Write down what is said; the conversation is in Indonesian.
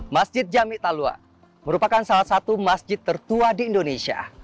masjid jami talua merupakan salah satu masjid tertua di indonesia